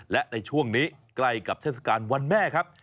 และในช่วงนี้ใกล้กับเทศกาลวันแม่ครับ